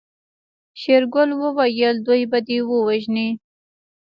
شېرګل وويل دوی به دې ووژني.